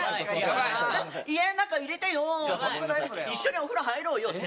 一緒にお風呂入ろうよ。